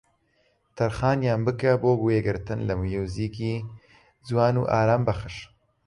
تەرخانیان بکە بۆ گوێگرتن لە موزیکی جوان و ئارامبەخش